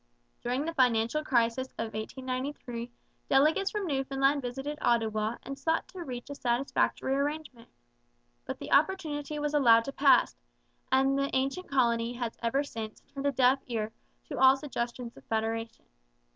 During the financial crisis of 1893 delegates from Newfoundland visited Ottawa and sought to reach a satisfactory arrangement. But the opportunity was allowed to pass, and the ancient colony has ever since turned a deaf ear to all suggestions of federation.